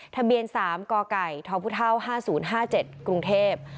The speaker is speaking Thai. ทะเบียน๓กไก่ทผู้เท่า๕๐๕๗กรุงเทพฯ